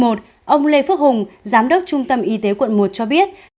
ông lê phước hùng giám đốc trung tâm y tế quận một cho biết